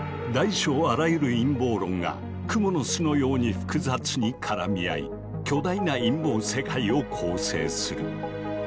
大小あらゆる陰謀論が蜘蛛の巣のように複雑に絡み合い巨大な陰謀世界を構成する。